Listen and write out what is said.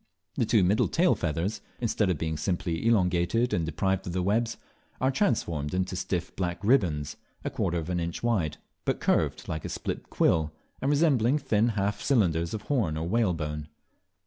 The two middle tail feathers, instead of being simply elongated and deprived of their webs, are transformed into stiff black ribands, a quarter of an inch wide, but curved like a split quill, and resembling thin half cylinders of horn or whalebone.